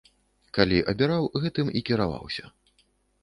Калі абіраў, гэтым і кіраваўся.